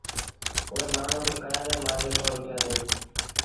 اُئي مآڻهوٚٚݩ ڪهيآݩدي مآݩجو سو روپيآ اهي